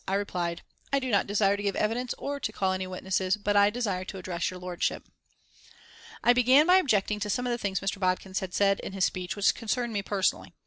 I replied: "I do not desire to give evidence or to call any witnesses, but I desire to address your Lordship." I began by objecting to some of the things Mr. Bodkin had said in his speech which concerned me personally.